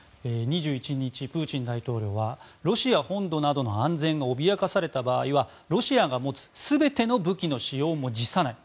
２１日、プーチン大統領はロシア本土などの安全が脅かされた場合はロシアが持つ全ての武器の使用も辞さない